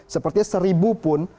sepertinya seribu pun